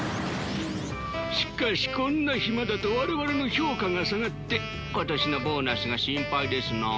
しかしこんな暇だと我々の評価が下がって今年のボーナスが心配ですな。